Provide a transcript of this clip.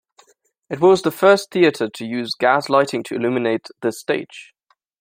It was the first theatre to use gas lighting to illuminate the stage.